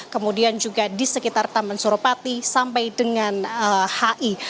kemudian juga di sekitar taman suropati sampai dengan hi